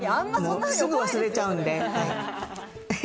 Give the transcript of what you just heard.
すぐ忘れちゃうんで。